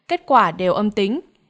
kết quả đều âm tính